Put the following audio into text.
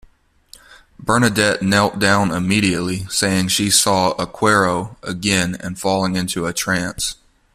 Bernadette knelt down immediately, saying she saw "aquero" again and falling into a trance.